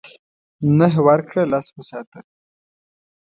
نهه ورکړه لس وساته .